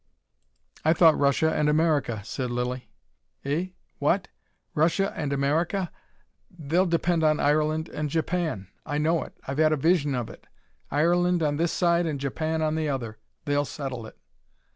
"I thought Russia and America," said Lilly. "Eh? What? Russia and America! They'll depend on Ireland and Japan. I know it. I've had a vision of it. Ireland on this side and Japan on the other they'll settle it."